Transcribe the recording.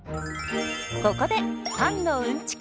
ここでパンのうんちく